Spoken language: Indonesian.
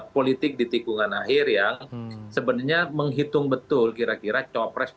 politik di tikungan akhir yang sebenarnya menghitung betul kira kira cawapres